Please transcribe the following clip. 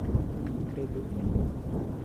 credor